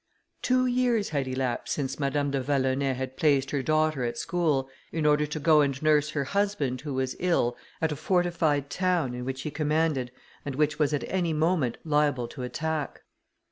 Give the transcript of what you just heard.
Two years had elapsed since Madame de Vallonay had placed her daughter at school, in order to go and nurse her husband, who was ill at a fortified town, in which he commanded, and which was at any moment liable to attack.